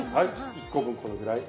１個分このぐらい。